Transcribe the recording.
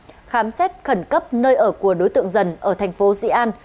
khám xét khẩn cấp nơi ở của đối tượng dần ở thành phố dị an